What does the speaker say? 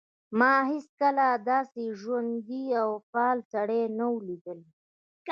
ما هیڅکله داسې ژوندی او فعال سړی نه و لیدلی